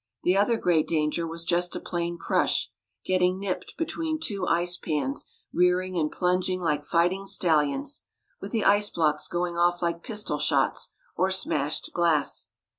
The other great danger was just a plain crush, getting nipped between two icepans rearing and plunging like fighting stallions, with the ice blocks going off like pistol shots or smashed glass.